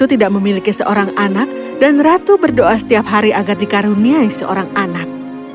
ikan berdoa setiap hari agar dikaruniai seorang anak